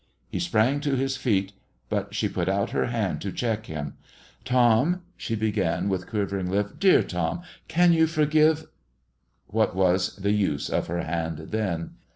He sprang to his feet, but she put out her hand to check him. "Tom," she began, with quivering lip, "dear Tom, can you forgive" What was the use of her hand then!